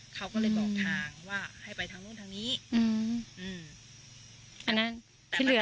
เขาก็เลยบอกทางว่าให้ไปทางนู้นทางนี้อืมอันนั้นที่เรือ